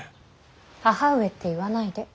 義母上って言わないで。